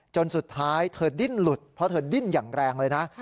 จนสุดท้ายเธอดิ้นหลุดเพราะเธอดิ้นอย่างแรงเลยนะ